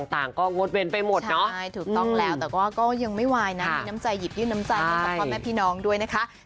ที่เราจะได้ผ่านวิกฤตตรงนี้ไปพร้อมกันครับ